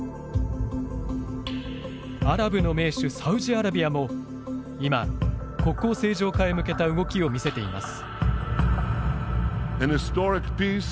アラブの盟主サウジアラビアも今、国交正常化へ向けた動きを見せています。